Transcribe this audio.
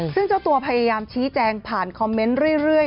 ซึ่งเจ้าตัวพยายามชี้แจงผ่านคอมเมนต์เรื่อย